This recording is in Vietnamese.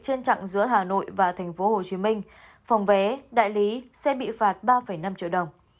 trên trạng giữa hà nội và tp hcm phòng vé đại lý sẽ bị phạt ba năm triệu đồng